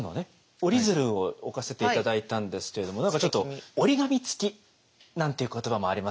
折り鶴を置かせて頂いたんですけれども何かちょっと「折り紙つき」なんていう言葉もありますよね。